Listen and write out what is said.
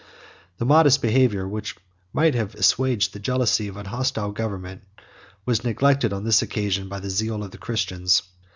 The modest behavior which might have assuaged the jealousy of a hostile government was neglected, on this occasion, by the zeal of the Christians.